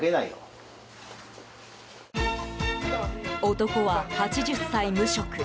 男は、８０歳無職。